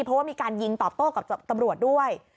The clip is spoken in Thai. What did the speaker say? เพราะว่ามีการยิงตอบโต้กับตำรวจด้วย